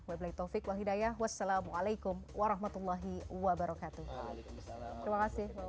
waiblai taufiq wahidah wassalamualaikum warahmatullahi wabarakatuh